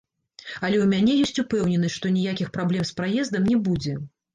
Але ў мяне ёсць упэўненасць, што ніякіх праблем з праездам не будзе.